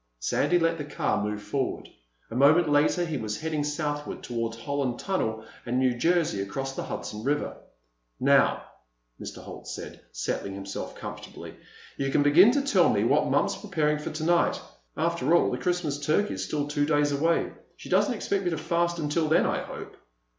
Sandy let the car move forward. A moment later he was heading southward toward the Holland Tunnel and New Jersey across the Hudson River. "Now," Mr. Holt said, settling himself comfortably, "you can begin to tell me what Mom's preparing for tonight. After all, the Christmas turkey is still two days away. She doesn't expect me to fast until then, I hope."